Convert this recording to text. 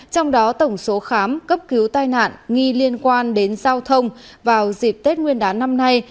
trong đó tổng số khám cấp cứu tai nạn nghi liên quan đến giao thông vào dịp tết nguyên đán năm nay